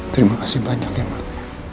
terima kasih banyak ya mak